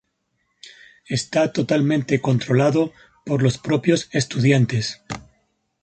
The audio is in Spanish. Esta totalmente controlado por los propios estudiantes.